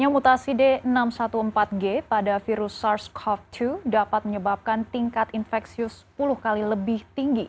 mutasi d enam ratus empat belas g pada virus sars cov dua dapat menyebabkan tingkat infeksius sepuluh kali lebih tinggi